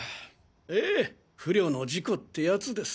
ええ不慮の事故ってヤツです。